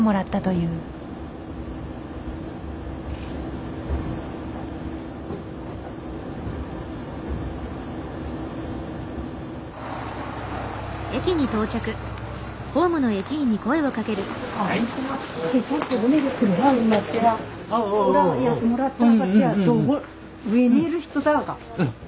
うん。